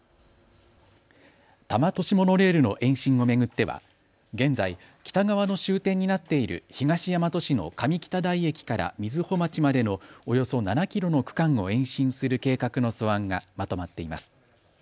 多摩都市モノレールの延伸を巡っては現在北側の終点になっている東大和市の上北台駅から瑞穂町までのおよそ７キロの区間を延伸する計画の素案がまとまっています。